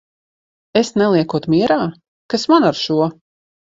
Es neliekot mierā? Kas man ar šo!